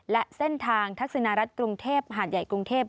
และเส้นทางทักษณรัฐกรุงเทพหาดใหญ่กรุงเทพ